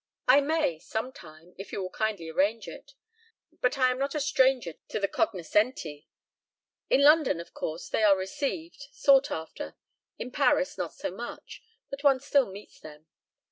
"I may some time, if you will kindly arrange it. But I am not a stranger to the cognoscenti. In London, of course, they are received, sought after. In Paris not so much, but one still meets them.